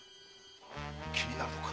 気になるのか？